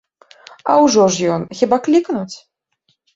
А ўжо ж ён, хіба клікнуць?